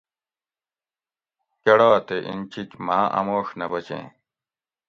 کڑا تے انچِک ماۤں اموڛ نہ بچیں